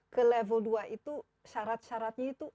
ke level dua itu syarat syaratnya itu